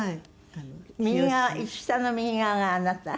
右側下の右側があなた？